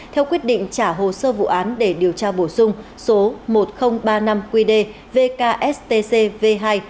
theo quyết định trả hồ sơ vụ án để điều tra bổ sung số một nghìn ba mươi năm qd vkst v hai